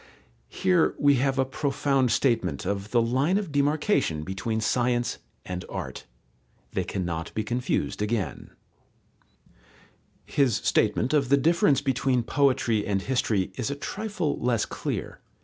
Here we have a profound statement of the line of demarcation between science and art. They cannot be confused again. His statement of the difference between poetry and history is a trifle less clear.